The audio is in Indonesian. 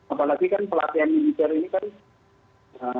apalagi kan pelatihan militer ini kan